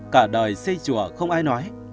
cả đời xây chùa không ai nói